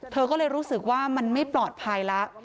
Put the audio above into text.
เธอก็เลยรู้สึกว่ามันไม่ปลอดภัยแล้ว